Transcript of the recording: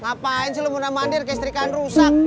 ngapain sih lo mudah mandir kayak istrikan rusak